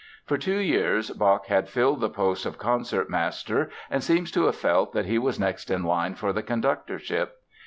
For two years Bach had filled the post of concertmaster and seems to have felt that he was next in line for the conductorship.